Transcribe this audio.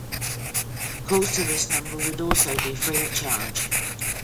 Calls to this number would also be free of charge.